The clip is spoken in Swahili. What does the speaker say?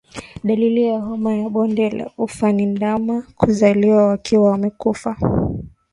Dalili ya homa ya bonde la ufa ni ndama kuzaliwa wakiwa wamekufa